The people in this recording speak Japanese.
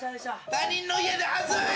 他人の家で恥ずい！